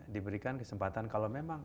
diberikan kesempatan kalau memang